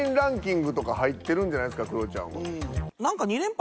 クロちゃんは。